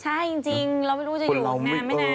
ใช่จริงเราไม่รู้จะอยู่นานไม่นาน